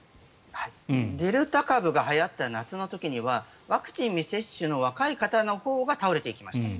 デルタ株がはやった夏の時にはワクチン未接種の若い方のほうが倒れていきました。